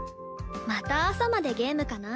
また朝までゲームかな。